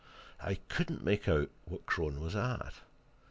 I could not make out what Crone was at.